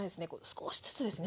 少しずつですね。